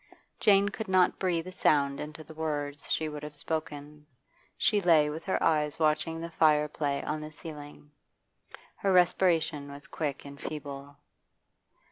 Jane could not breathe sound into the words she would have spoken. She lay with her eyes watching the fire play on the ceiling. Her respiration was quick and feeble.